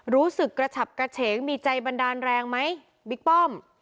รู้สึกกระฉับกระเฉงมีใจบันดาลแรงไหมบิ๊กป้อม